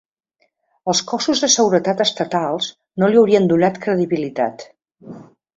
Els cossos de seguretat estatals no li haurien donat credibilitat.